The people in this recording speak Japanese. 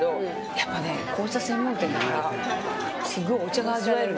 やっぱね、紅茶専門店だからすごいお茶が味わえる。